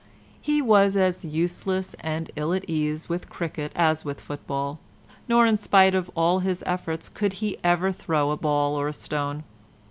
He was as useless and ill at ease with cricket as with football, nor in spite of all his efforts could he ever throw a ball or a stone.